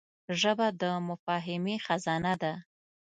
ژبه د مفاهمې خزانه ده